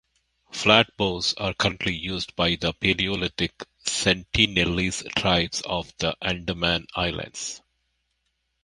Flatbows are currently used by the paleolithic Sentinelese tribes of the Andaman Islands.